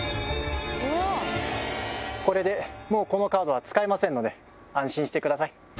これでもうこのカードは使えませんので安心してください。